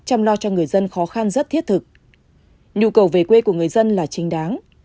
chăm lo cho người dân khó khăn rất thiết thực nhu cầu về quê của người dân là chính đáng